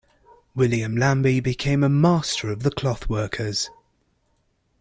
William Lambe became a master of the Clothworkers.